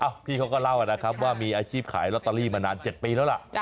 พี่เขาก็เล่านะครับว่ามีอาชีพขายลอตเตอรี่มานาน๗ปีแล้วล่ะ